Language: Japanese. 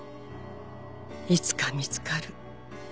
「いつか見つかる」